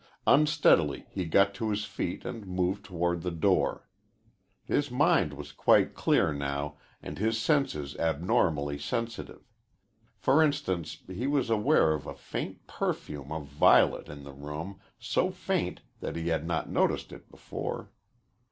Unsteadily he got to his feet and moved toward the door. His mind was quite clear now and his senses abnormally sensitive. For instance, he was aware of a faint perfume of violet in the room, so faint that he had not noticed it before.